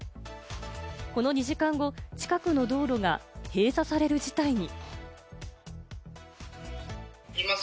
この２時間後、近くの道路が閉鎖される事態に。